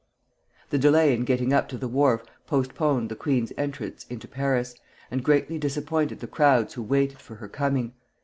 The delay in getting up to the wharf postponed the queen's entrance into Paris, and greatly disappointed the crowds who waited for her coming.